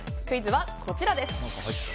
クイズはこちらです。